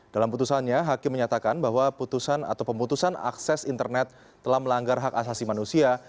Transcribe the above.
dalam putusannya hakim menyatakan bahwa putusan atau pemutusan akses internet telah melanggar hak asasi manusia